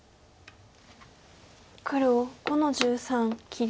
黒５の十三切り。